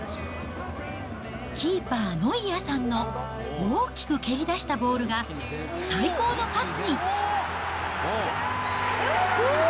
キーパー、ノイアーさんの大きく蹴り出したボールが最高のパスに。